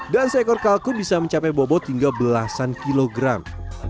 dan seekor kalkun bisa mencapai bobot hingga belasan kilogram